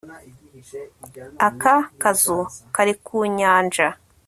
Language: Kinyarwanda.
aka kazu kari ku nyanja